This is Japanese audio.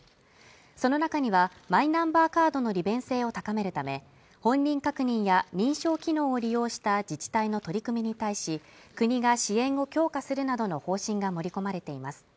その中にはマイナンバーカードの利便性を高めるため本人確認や認証機能を利用した自治体の取り組みに対し国が支援を強化するなどの方針が盛り込まれています